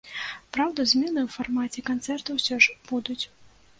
Праўда, змены ў фармаце канцэрта ўсё ж будуць.